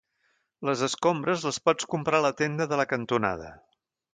Les escombres, les pots comprar a la tenda de la cantonada.